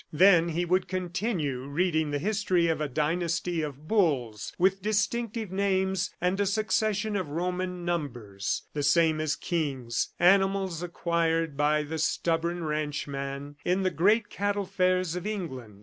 Then he would continue reading the history of a dynasty of bulls with distinctive names and a succession of Roman numbers, the same as kings animals acquired by the stubborn ranchman in the great cattle fairs of England.